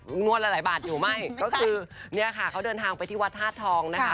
งวดละหลายบาทอยู่ไม่ก็คือเนี่ยค่ะเขาเดินทางไปที่วัดธาตุทองนะคะ